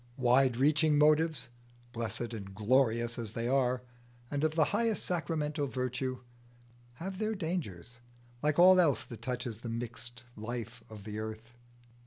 Wide reaching motives, blessed and glorious as they are, and of the highest sacramental virtue, have their dangers, like all else that touches the mixed life of the earth.